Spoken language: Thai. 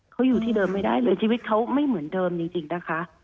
เขาอยู่ที่เดิมไม่ได้เลยชีวิตเขาไม่เหมือนเดิมจริงนะคะ